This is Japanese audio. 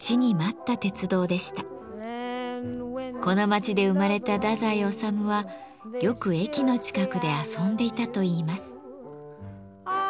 この町で生まれた太宰治はよく駅の近くで遊んでいたといいます。